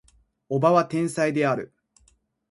叔母は天才である